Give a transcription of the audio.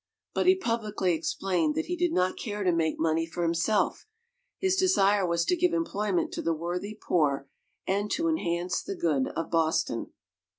But he publicly explained that he did not care to make money for himself his desire was to give employment to the worthy poor and to enhance the good of Boston.